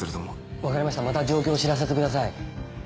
分かりましたまた状況知らせてください。